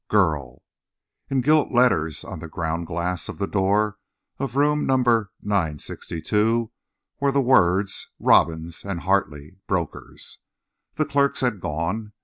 VI "GIRL" In gilt letters on the ground glass of the door of room No. 962 were the words: "Robbins & Hartley, Brokers." The clerks had gone.